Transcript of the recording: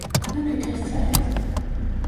თქვენ თვითონ სცადეთ.